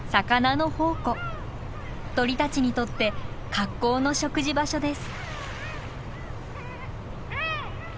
鳥たちにとって格好の食事場所です。